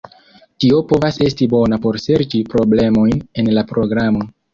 Tio povas esti bona por serĉi problemojn en la programo.